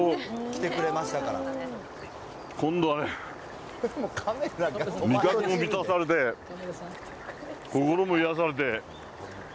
今度はね、味覚も満たされて、心も癒やされて。